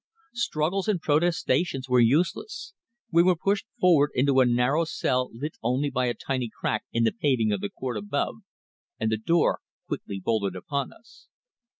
Struggles and protestations were useless. We were pushed forward into a deep narrow cell lit only by a tiny crack in the paving of the court above and the door quickly bolted upon us.